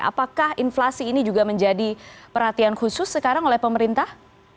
apakah inflasi ini juga menjadi perhatian khusus sekarang oleh pemerintah